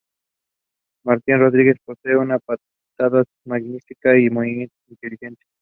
Martín Rodríguez posee una patada magnífica y de movimientos inteligentes.